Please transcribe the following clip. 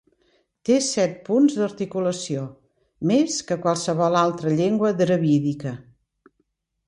Té set punts d'articulació, més que qualsevol altra llengua dravídica.